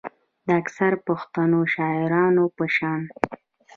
د اکثره پښتنو شاعرانو پۀ شان